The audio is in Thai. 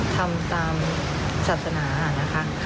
ทำตามศาสนานะคะ